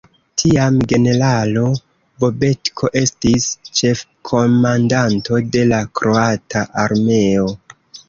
Tiam generalo Bobetko estis ĉefkomandanto de la kroata armeo.